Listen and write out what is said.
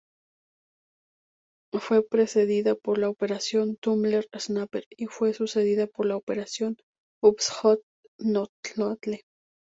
Fue precedida por la operación "Tumbler-Snapper", y fue sucedida por la operación Upshot-Knothole.